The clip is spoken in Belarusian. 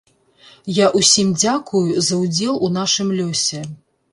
Я ўсім дзякую за ўдзел у нашым лёсе.